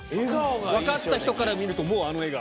分かった人から見るともうあの笑顔。